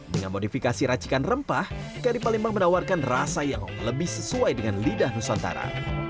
dengan modifikasi racikan rempah kari palembang menawarkan rasa yang lebih sesuai dengan lidah nusantara